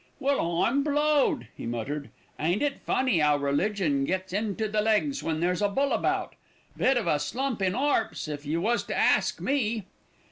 "Well, I'm blowed!" he muttered. "Ain't it funny 'ow religion gets into the legs when there's a bull about? Bit of a slump in 'arps, if you was to ask me!"